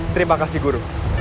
terima kasih guru